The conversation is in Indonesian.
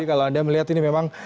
kalau anda melihat ini memang